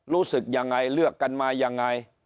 รู้สึกยังไงเลือกกันมายังไง